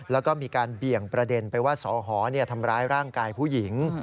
แล้วก็มีการเบี่ยงประเด็นไปว่าสอหอทำร้ายร่างกายผู้หญิง